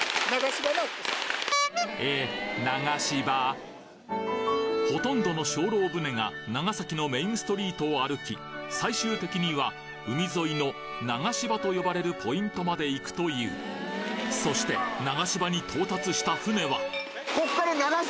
えっほとんどの精霊船が長崎のメインストリートを歩き最終的には海沿いの流し場と呼ばれるポイントまで行くというそしてえ？